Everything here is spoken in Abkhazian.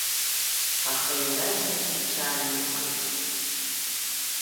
Аха иаразнак иҽааникылт.